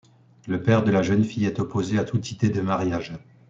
Le père de la jeune fille est opposé à toute idée de mariage.